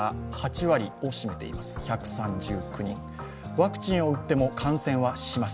ワクチンを打っても感染はします。